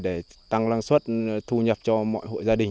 để tăng năng suất thu nhập cho mọi hội gia đình